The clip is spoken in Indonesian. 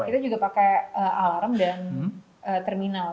kita juga pakai alarm dan terminal